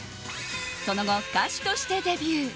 その後、歌手としてデビュー。